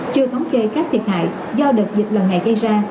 chưa thống kê các thiệt hại do đợt dịch lần này gây ra